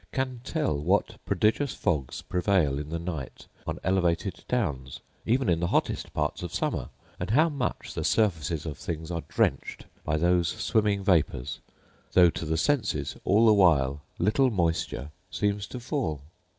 can tell what prodigious fogs prevail in the night on elevated downs, even in the hottest parts of summer; and how much the surfaces of things are drenched by those swimming vapours, though, to the senses, all the while, little moisture seems to fall.